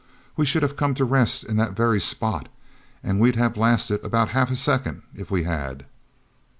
We should have come to rest in that very spot—and we'd have lasted about half a second if we had."